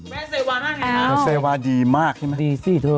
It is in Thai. แม่เซวาห้างั้นแล้วอ้าวเซวาดีมากใช่ไหมดีสิเธอ